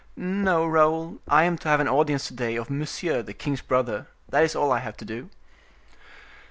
"No, Raoul; I am to have an audience to day of Monsieur, the king's brother; that is all I have to do."